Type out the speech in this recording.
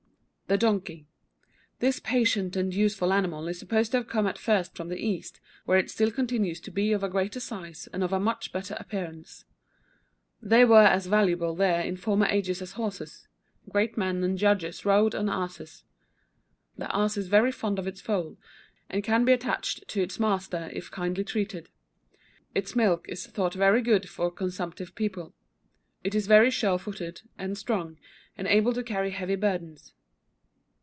THE DONKEY. This patient and useful animal is supposed to have come at first from the East, where it still continues to be of a greater size and of a much better appearance. They were as valuable there in former ages as horses; great men and judges rode on asses. The ass is very fond of its foal, and can be attached to its master if kindly treated. Its milk is thought very good for consumptive people. It is very sure footed, and strong, and able to carry heavy burdens.